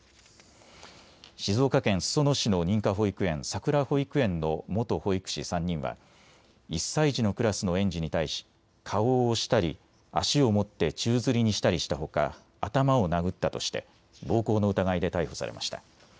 静岡県裾野市の認可保育園、さくら保育園の元保育士３人は１歳児のクラスの園児に対し顔を押したり足を持って宙づりにしたりしたほか頭を殴ったとして暴行の疑いで逮捕されました。